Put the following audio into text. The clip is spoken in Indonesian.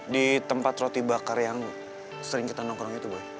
di tempat roti bakar yang sering kita nongkrong itu pak